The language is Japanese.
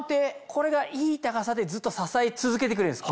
これがいい高さでずっと支え続けてくれるんです